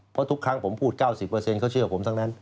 เพราะทุกครั้งผมพูด๙๐เขาเชื่อผมทั้งนั้น